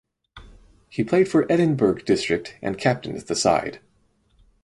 He played for Edinburgh District and captained the side.